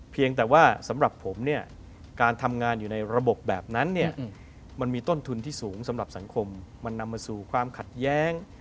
เพียงแต่ว่าสำหรับผมเนี่ยการทำงานอยู่ในระบบแบบนั้นเนี่ยมันมีต้นทุนที่สูงสำหรับสังคมมันนำมาสู่ความขัดแย้ง